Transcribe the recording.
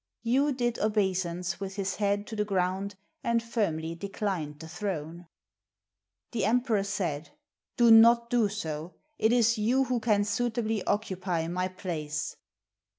Yu did obeisance with his head to the ground, and firmly declined the throne. The emperor 8 SHUN OF YU said, " Do not do so. It is you who can suitably occupy my place."